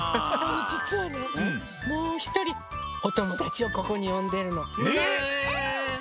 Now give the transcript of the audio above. じつはねもうひとりおともだちをここによんでるの。ね。